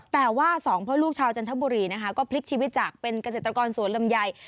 แต่ว่าสองพ่อลูกชาวจันทบุรีนะคะก็พลิกชีวิตจากเป็นเกษตรกรสวนลำไย